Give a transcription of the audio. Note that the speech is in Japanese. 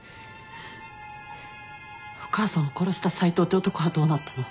お母さんを殺した斉藤って男はどうなったの？